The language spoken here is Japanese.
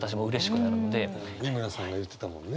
美村さんが言ってたもんね。